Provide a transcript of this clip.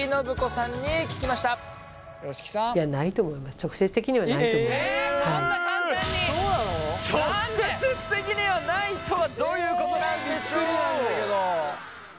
直接的にはないとはどういうことなんでしょう？